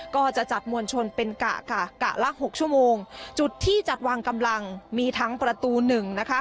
ก็จะจัดมวลชนเป็นกะค่ะกะละหกชั่วโมงจุดที่จัดวางกำลังมีทั้งประตูหนึ่งนะคะ